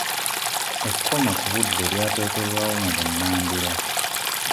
Ekkomo ku budde lyateekebwawo mu bunnambiro.